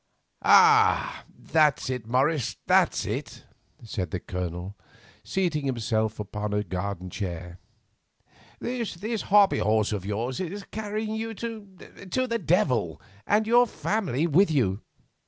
"Ah! that's it, Morris, that's it," said the Colonel, seating himself upon a garden chair; "this hobby horse of yours is carrying you—to the devil, and your family with you.